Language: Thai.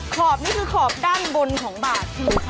ขอบนี่คือขอบด้านบนของบาทคือครับ